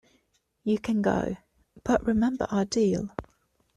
You can go, but remember our deal.